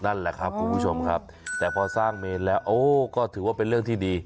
นั่นแหละครับคุณผู้ชมครับแต่พอสร้างเมนแล้วก็ถือว่าเป็นเรื่องที่ดี